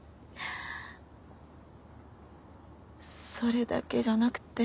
それだけじゃなくて。